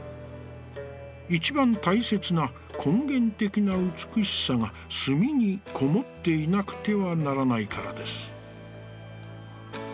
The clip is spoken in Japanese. いちばん大切な、根元的な美しさが墨にこもっていなくてはならないからです」。